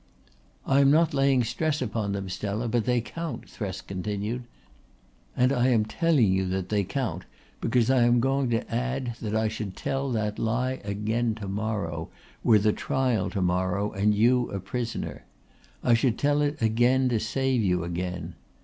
"I am not laying stress upon them, Stella, but they count," Thresk continued. "And I am telling you that they count because I am going to add that I should tell that lie again to morrow, were the trial to morrow and you a prisoner. I should tell it again to save you again.